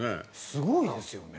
すごいですよね。